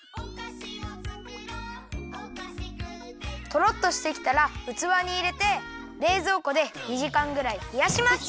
とろっとしてきたらうつわにいれてれいぞうこで２じかんぐらいひやします。